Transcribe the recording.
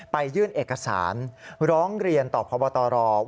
ยื่นเอกสารร้องเรียนต่อพบตร